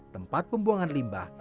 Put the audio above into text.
tempat pembuangan limbah